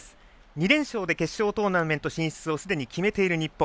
２連勝で決勝トーナメント進出をすでに決めている日本。